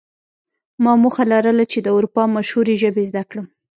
ما موخه لرله چې د اروپا مشهورې ژبې زده کړم